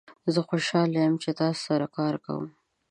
زه خوشحال یم چې تاسو سره کار کوم.